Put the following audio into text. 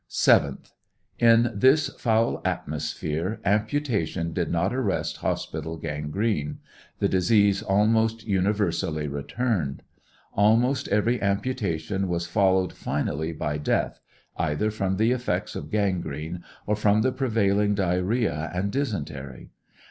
7th. In this foul atmosphere amputation did not arrest hospital gangrene; the disease almost universally returned. Almost every amputation was followed finally by death, either from the effects of gangrene or from the prevailing diarrhea and dj^sentery.